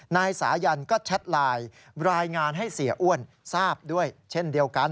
นายสายันก็แชทไลน์รายงานให้เสียอ้วนทราบด้วยเช่นเดียวกัน